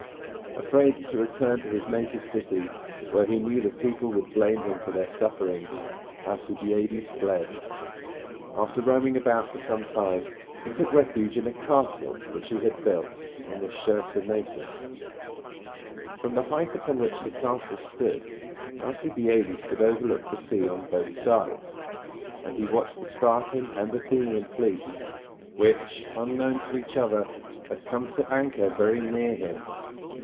Afraid to return to his native city, where he knew the people would blame him for their sufferings, Alcibiades fled. After roaming about for some time, he took refuge in a castle which he had built on the Cher so ne´sus. From the height upon which the castle stood, Alcibiades could overlook the sea on both sides; and he watched the Spartan and Athenian fleets, which, unknown to each other, had come to anchor very near him.